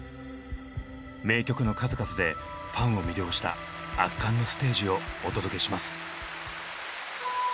名曲の数々でファンを魅了した圧巻のステージをお届けします。